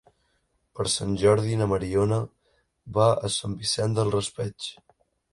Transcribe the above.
Per Sant Jordi na Mariona va a Sant Vicent del Raspeig.